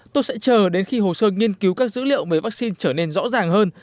tôi sẽ chờ đến khi hồ sơ nghiên cứu các dữ liệu về vaccine trở nên rõ ràng hơn